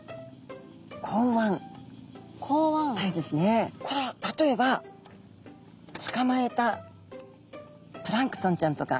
これは例えばつかまえたプランクトンちゃんとか。